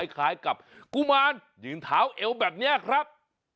คล้ายกับกุมารยืนเท้าเอวแบบนี้ครับ